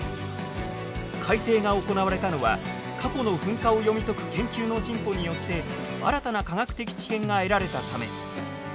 改定が行われたのは過去の噴火を読み解く研究の進歩によって新たな科学的知見が得られたため。